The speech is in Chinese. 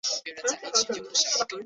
昌宁郡韩国庆尚南道的一个郡。